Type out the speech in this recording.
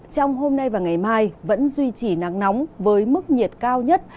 trong hôm nay và ngày mai vẫn duy trì nắng nóng với mức nhiệt cao nhất